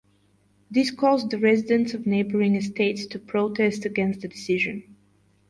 This caused the residents of neighbouring estates to protest against the decision.